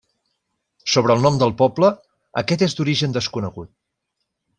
Sobre el nom del poble, aquest és d'origen desconegut.